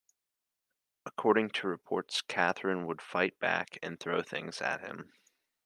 According to reports, Catherine would fight back and throw things at him.